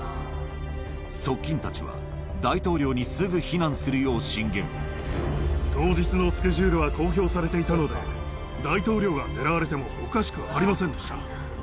側近たちは大統領にすぐ避難当日のスケジュールは公表されていたので、大統領が狙われてもおかしくありませんでした。